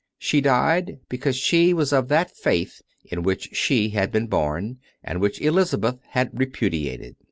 She died because she was of that Faith in which she had been born, and which Elizabeth had repudiated.